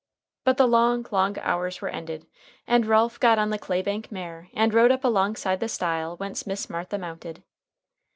But the long, long hours were ended and Ralph got on the clay bank mare and rode up alongside the stile whence Miss Martha mounted.